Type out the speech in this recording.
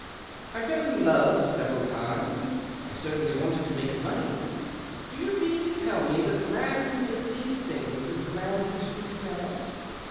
I fell in love several times, and I certainly wanted to make money. Do you mean to tell me that the man who did these things is the man who speaks now